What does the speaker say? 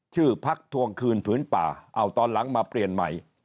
ชื่อพักทวงคืนผืนป่าเอาตอนหลังมาเปลี่ยนใหม่